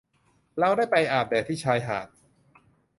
เราได้ไปอาบแดดที่ชายหาด